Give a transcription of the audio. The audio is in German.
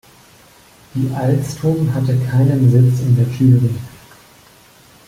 Die Alstom hatte keinen Sitz in der Jury.